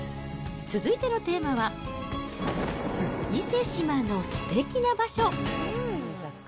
続いてのテーマは、伊勢志摩のすてきな場所。